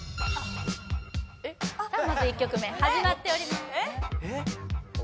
１曲目始まっております・えっ？